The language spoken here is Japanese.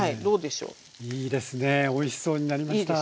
おいしそうになりました。